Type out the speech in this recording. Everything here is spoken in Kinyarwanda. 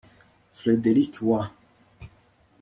frederick w